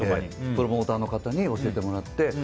プロモーターの方に教えてもらって。